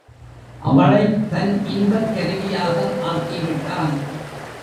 அவளைத் தன் இன்பக் கருவியாக ஆக்கி விட்டான்.